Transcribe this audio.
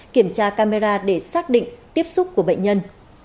kiểm tra camera để xác định tiếp xúc của bệnh nhân